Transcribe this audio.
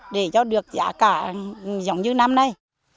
để cho được giá cả giống như năm nay